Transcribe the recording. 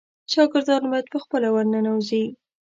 شاګردان باید په خپله ورننوزي.